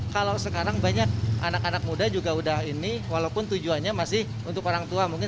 kalau sekarang banyak anak anak muda walaupun tujuannya sangat besar juga crow